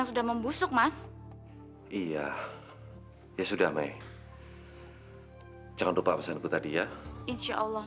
sampai jumpa di video selanjutnya